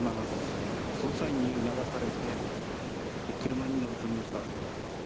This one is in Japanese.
捜査員に促されて車に乗り込みました。